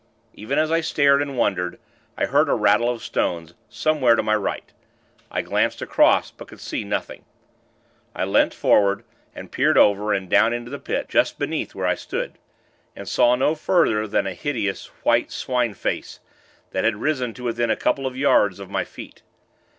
Even as I stared and wondered, I heard a rattle of stones, somewhere to my right. I glanced across; but could see nothing. I leant forward, and peered over, and down into the Pit, just beneath where I stood; and saw no further than a hideous, white swine face, that had risen to within a couple of yards of my feet.